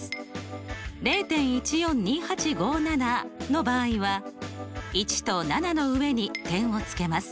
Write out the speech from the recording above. ０．１４２８５７の場合は１と７の上に点を付けます。